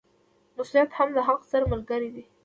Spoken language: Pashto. مسوولیت هم د حق سره ملګری دی.